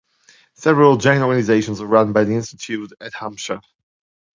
Several Jain organizations are run by the institute at Humcha.